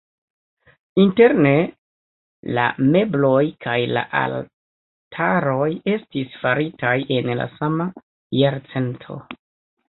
Interne la mebloj kaj la altaroj estis faritaj en la sama jarcento.